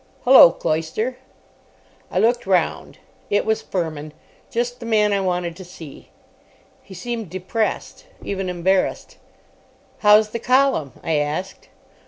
"Hullo, Cloyster." I looked round. It was Fermin. Just the man I wanted to see. He seemed depressed. Even embarrassed. "How's the column?" I asked.